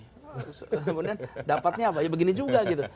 kemudian dapatnya apa ya begini juga gitu